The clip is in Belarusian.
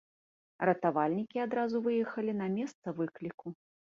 Ратавальнікі адразу выехалі на месца выкліку.